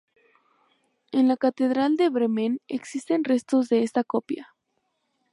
En la Catedral de Bremen existen restos de esta copia.